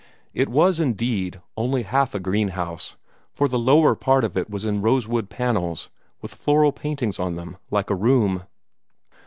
It was, indeed, only half a greenhouse, for the lower part of it was in rosewood panels, with floral paintings on them, like a room.